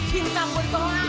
cinta pun tata